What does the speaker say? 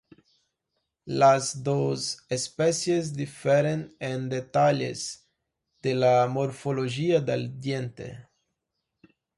Las dos especies difieren en detalles de la morfología del diente.